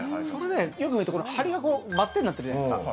よく見ると梁がばってんになってるじゃないですか。